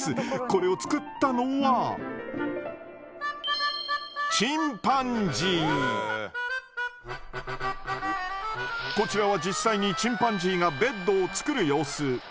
これを作ったのはこちらは実際にチンパンジーがベッドを作る様子。